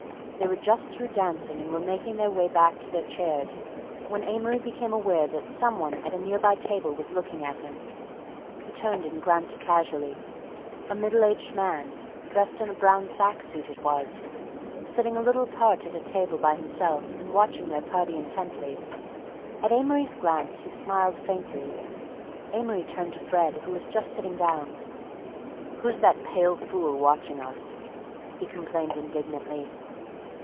They were just through dancing and were making their way back to their chairs when Amory became aware that some one at a near by table was looking at him. He turned and glanced casually... a middle aged man dressed in a brown sack suit, it was, sitting a little apart at a table by himself and watching their party intently. At Amory's glance he smiled faintly. Amory turned to Fred, who was just sitting down. "Who's that pale fool watching us?" he complained indignantly.